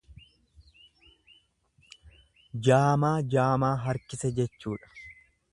Jaamaa jaamaa harkise jechuudha.